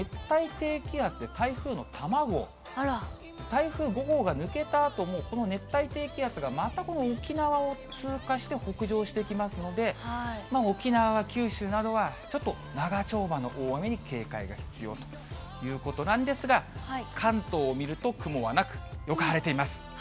台風５号が抜けたあとも、この熱帯低気圧がまたこの沖縄を通過して、北上してきますので、沖縄や九州などは、ちょっと長丁場の大雨に警戒が必要ということなんですが、関東を見ると雲はなく、よく晴れています。